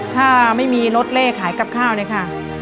ถ้าไม่มีรถเลขขายกับข้าวเลยค่ะ